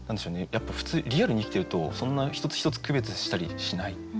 やっぱ普通リアルに生きてるとそんな一つ一つ区別したりしない。